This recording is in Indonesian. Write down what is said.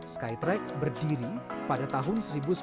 skytrack berdiri pada tahun seribu sembilan ratus sembilan puluh